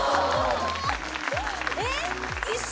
えっ！